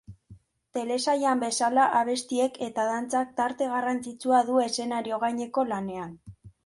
Telesailean bezala, abestiek eta dantzak tarte garrantzitsua du eszenario gaineko lanean.